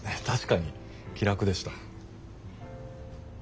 確かに気楽でした。